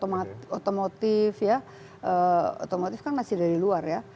kalau manufaktur otomatif ya otomotif kan masih dari luar ya